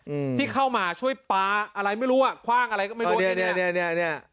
อืมที่เข้ามาช่วยปาอะไรไม่รู้อ่ะคว้างอะไรก็ไม่รู้อันนี้อันนี้อันนี้